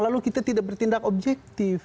lalu kita tidak bertindak objektif